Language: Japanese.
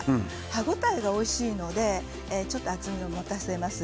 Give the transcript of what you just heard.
歯応えがおいしいので少し厚みを持たせています。